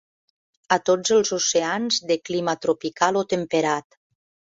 A tots els oceans de clima tropical o temperat.